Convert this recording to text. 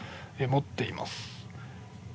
持っています。